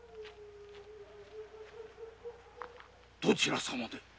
どちら様で？